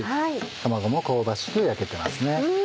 卵も香ばしく焼けてますね。